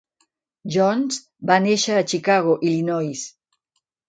Jones va néixer a Chicago, Illinois.